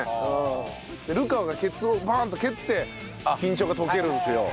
流川がケツをバーンと蹴って緊張が解けるんですよ。